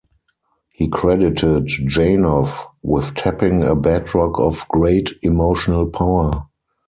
He credited Janov with tapping a bedrock of great emotional power.